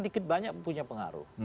cukup banyak punya pengaruh